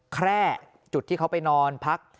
แคร่จุดที่เขาไปนอนพัก